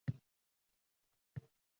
Қоғозлардан чиқсин озодлик